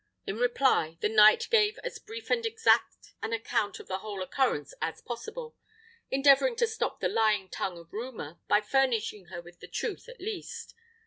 In reply, the knight gave as brief and exact an account of the whole occurrence as possible, endeavouring to stop the lying tongue of Rumour by furnishing her with the truth at least.